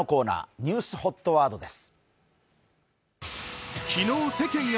ニュースＨＯＴワードです。